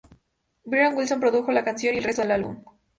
Brian Wilson produjo la canción, y el resto del álbum.